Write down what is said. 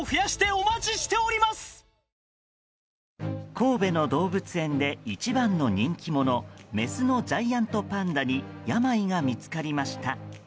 神戸の動物園で一番の人気者メスのジャイアントパンダに病が見つかりました。